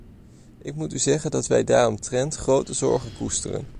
Ik moet u zeggen dat wij daaromtrent grote zorgen koesteren.